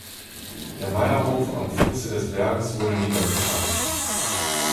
Der Meierhof am Fuße des Berges wurde niedergebrannt.